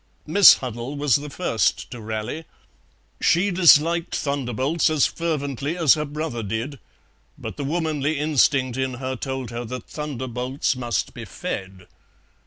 Miss Huddle was the first to rally; she disliked thunderbolts as fervently as her brother did, but the womanly instinct in her told her that thunderbolts must be fed.